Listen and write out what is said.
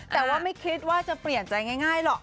แต่ว่าไม่คิดว่าจะเปลี่ยนใจง่ายหรอก